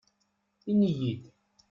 Iniyi-d!